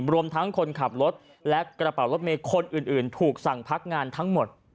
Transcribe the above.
รวมทั้งคนขับรถและกระเป๋ารถเมย์คนอื่นถูกสั่งพักงานทั้งหมด